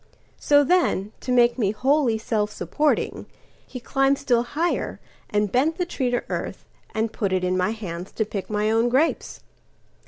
So then, to make me wholly self supporting, He climbed still higher and bent the tree to earthAnd put it in my hands to pick my own grapes.